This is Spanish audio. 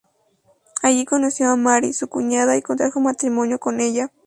Allí conoció a Marie, su cuñada, y contrajo matrimonio con ella.